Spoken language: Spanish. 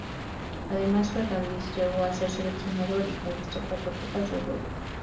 Además, Ferrándiz llegó a ser seleccionador y conquistó cuatro Copas de Europa.